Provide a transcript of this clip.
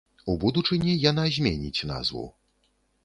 У будучыні яна зменіць назву.